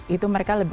itu mereka lebih